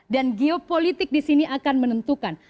dan geopolitik di sini akan menentukan